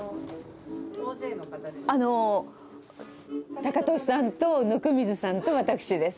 タカトシさんと温水さんと私です。